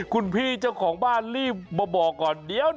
คุณพี่เจ้าของบ้านรีบมาบอกก่อนเดี๋ยว